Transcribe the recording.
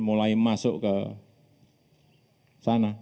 mulai masuk ke sana